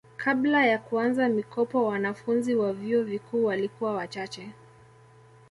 kabla ya kuanza mikopo wananfunzi wa vyuo vikuu walikuwa wachache